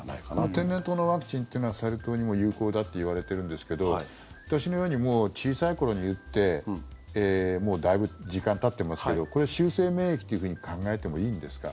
天然痘のワクチンというのはサル痘にも有効だっていわれてるんですけど私のようにもう小さい頃に打ってもうだいぶ時間たってますけどこれ、終生免疫というふうに考えてもいいんですか？